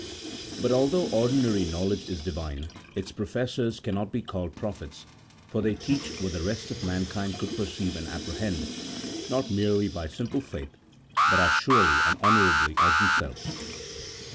But, although ordinary knowledge is Divine, its professors cannot be called prophets, 1 for they teach what the rest of mankind could perceive and apprehend, not merely by simple faith, but as surely and honourably as themselves.